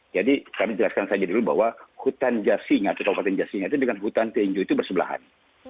jadi kami jelaskan saja dulu bahwa hutan jasina kekuatan jasina itu dengan hutan tenjo itu bersebelahan